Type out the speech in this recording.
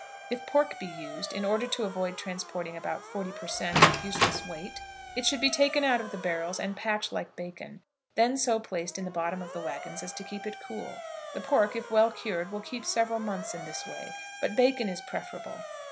If pork be used, in order to avoid transporting about forty per cent. of useless weight, it should be taken out of the barrels and packed like the bacon; then so placed in the bottom of the wagons as to keep it cool. The pork, if well cured, will keep several months in this way, but bacon is preferable.